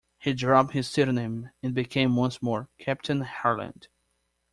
He dropped his pseudonym and became once more Captain Harland.